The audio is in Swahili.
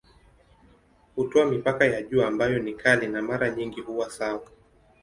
Hutoa mipaka ya juu ambayo ni kali na mara nyingi huwa sawa.